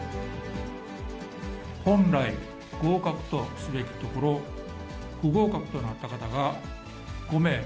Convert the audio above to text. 本来、合格とすべきところ、不合格となった方が５名。